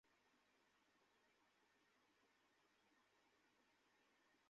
আর আমাকে স্যার বলে ডাকা লাগবে না।